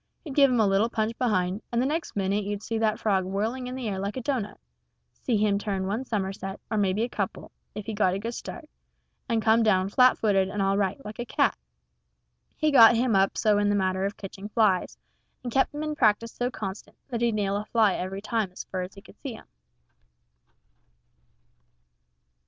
He'd give him a little punch behind, and the next minute you'd see that frog whirling in the air like a doughnut see him turn one summerset, or maybe a couple, if he got a good start, and come down flat footed and all right, like a cat. He got him up so in the matter of ketching flies, and kep' him in practice so constant, that he'd nail a fly every time as fur as he could see him.